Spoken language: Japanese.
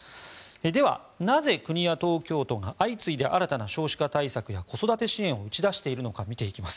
では、なぜ国や東京都が相次いで新たな少子化対策や子育て支援を打ち出しているのか見ていきます。